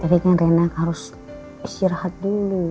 tapi yang reina harus istirahat dulu